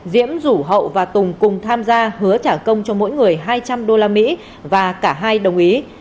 diễm rủ hậu và tùng cùng tham gia hứa trả công cho mỗi người hai trăm linh usd và cả hai đồng ý